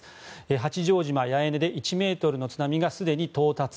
八丈島八重根で１ｍの津波がすでに到達。